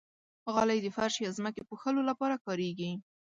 غالۍ د فرش یا ځمکې پوښلو لپاره کارېږي.